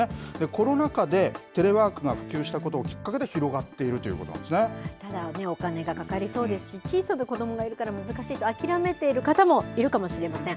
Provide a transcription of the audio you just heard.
コロナ禍で、テレワークが普及したことをきっかけに広がっているただ、お金がかかりそうですし、小さな子どもがいるから難しいと諦めている方もいるかもしれません。